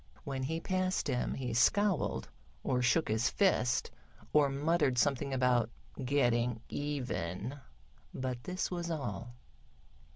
When he passed him he scowled, or shook his fist, or muttered something about "getting even," but this was all.